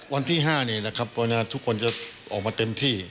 วันที่๕นี่แหละครับวันนาทุกคนจะออกมาเต็มที่